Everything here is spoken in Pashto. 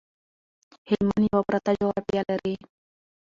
هلمند یو پراته جغرافيه لري